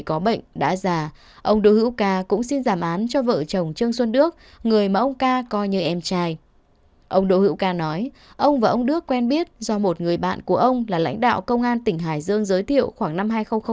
ông đỗ hữu ca nói ông và ông đức quen biết do một người bạn của ông là lãnh đạo công an tỉnh hải dương giới thiệu khoảng năm hai nghìn một mươi